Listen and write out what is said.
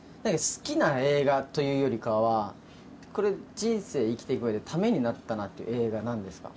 好きな映画というよりかはこれ人生生きて行く上でためになったなっていう映画何ですか？